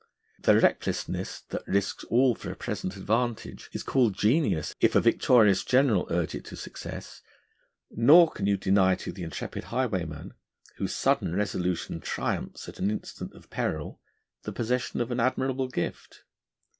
The recklessness that risks all for a present advantage is called genius, if a victorious general urge it to success; nor can you deny to the intrepid Highwayman, whose sudden resolution triumphs at an instant of peril, the possession of an admirable gift.